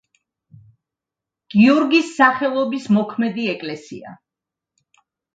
გიორგის სახელობის მოქმედი ეკლესია.